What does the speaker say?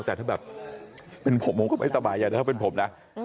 แต่ถ้าแบบเป็นผมผมก็ไม่สบายใจแต่ถ้าเป็นผมนะ